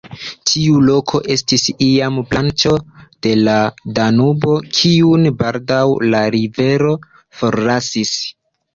Tiu loko estis iam branĉo de la Danubo, kiun baldaŭ la rivero forlasis.